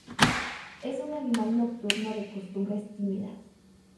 Es un animal nocturno de costumbres tímidas.